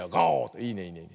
いいねいいね。